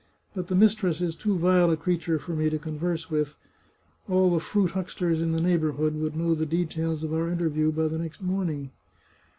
But the mistress is too vile a creature for me to converse with; all the fruit hucksters in the neighbourhood would know the details of our interview by the next morning."